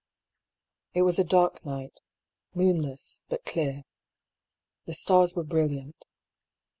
It was a dark night — moonless, but clear. The stars were brilliant.